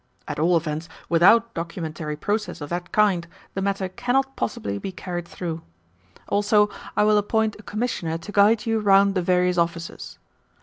At all events, WITHOUT documentary process of that kind, the matter cannot possibly be carried through. Also, I will appoint a Commissioner to guide you round the various Offices."